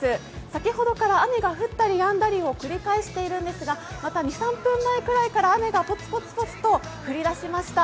先ほどから雨が降ったりやんだりを繰り返しているんですがまた２３分前ぐらいから雨がぽつぽつぽつと降り出しました。